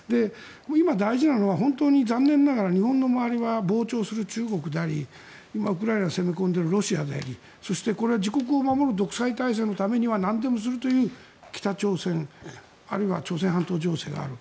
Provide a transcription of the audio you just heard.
今、大事なのは本当に残念ながら日本の周りは膨張する中国であり今、ウクライナに攻め込んでるロシアであり、自国を守る独裁体制のためにはなんでもするという北朝鮮あるいは朝鮮半島情勢がある。